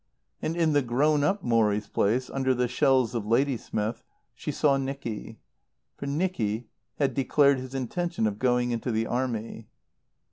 And in the grown up Morrie's place, under the shells of Ladysmith, she saw Nicky. For Nicky had declared his intention of going into the Army.